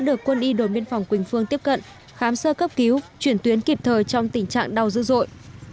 đưa đi đồn biên phòng quỳnh phương tiếp cận khám sơ cấp cứu chuyển tuyến kịp thời trong tình trạng đau dữ dội